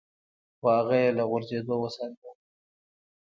خو هغه يې له غورځېدو وساته.